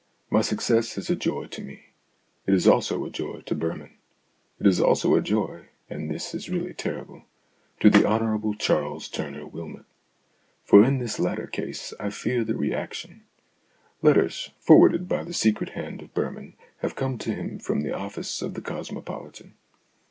My success is a joy to me ; it is also a joy to Birman ; it is also a joy and this is really terrible to the Hon. Charles Tumour Wylmot. For in this latter case I fear the re action. Letters, forwarded by the secret hand of Birman, have come to him from the office of The Cosmopolitan.